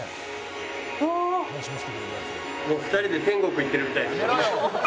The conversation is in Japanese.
２人で天国行ってるみたいですね。